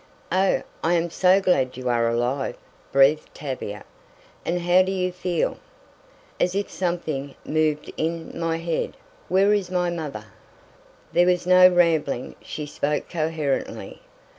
"Oh, I am so glad you are alive!" breathed Tavia. "And how do you feel?" "As if something moved in my head. Where is mother?" There was no rambling, she spoke coherently!